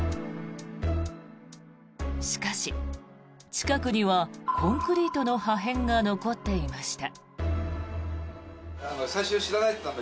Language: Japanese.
しかし、近くにはコンクリートの破片が残っていました。